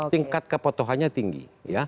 tingkat kepotokannya tinggi